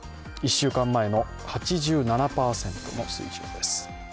１週間前の８７％の水準です。